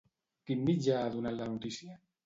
Quin mitjà ha donat la notícia?